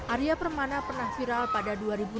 area permana pernah viral pada dua ribu enam belas